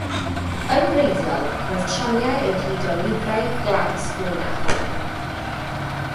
Yn wreiddiol roedd tramiau yn cludo lifrai, glas, gwyn a choch.